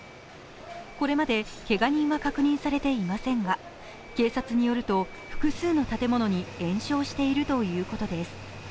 これまでけが人は確認されていませんが、警察によると複数の建物に延焼しているということです。